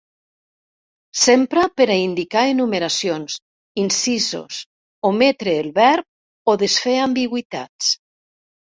S'empra per a indicar enumeracions, incisos, ometre el verb o desfer ambigüitats.